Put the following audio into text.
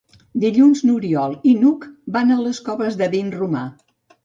Dilluns n'Oriol i n'Hug van a les Coves de Vinromà.